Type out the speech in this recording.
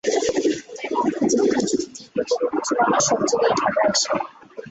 তাই অনেকটা জীবনের ঝুঁকি নিয়ে প্রতিদিন কিছু মানুষ সবজি নিয়ে ঢাকায় আসেন।